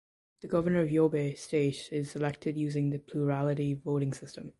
The Governor of Yobe State is elected using the plurality voting system.